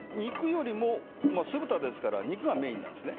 酢豚ですから肉がメインなんですね。